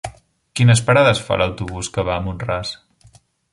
Quines parades fa l'autobús que va a Mont-ras?